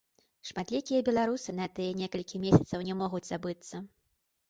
Шматлікія беларусы на тыя некалькі месяцаў не могуць забыцца.